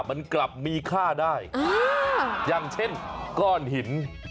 มันกลับมีค่าได้อย่างเช่นก้อนหิน